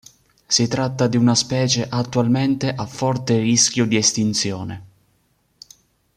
Si tratta di una specie attualmente a forte rischio di estinzione.